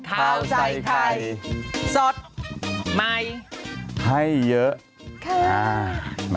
ข่าวใส่ไทยสดใหม่ให้เยอะ